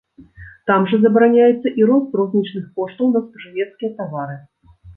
Там жа забараняецца і рост рознічных коштаў на спажывецкія тавары.